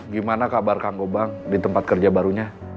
gimana kabar kang ubang di tempat kerja barunya